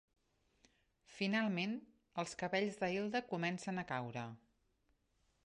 Finalment, els cabells de Hilda comencen a caure.